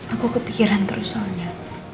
aku kepikiran terus soalnya